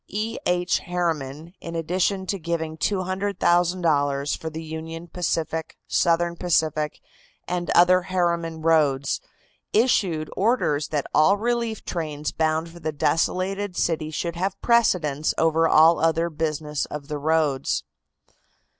E. H. Harriman, in addition to giving $200,000 for the Union Pacific, Southern Pacific and other Harriman roads, issued orders that all relief trains bound for the desolated city should have Precedence over all other business of the roads.